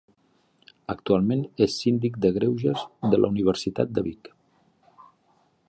Actualment és Síndic de Greuges de la Universitat de Vic.